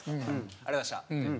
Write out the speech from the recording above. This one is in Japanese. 「ありがとうございました」って。